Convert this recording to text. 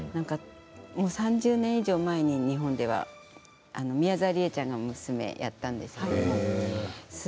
３０年以上前に日本では宮沢りえちゃんが娘をやったんですけど。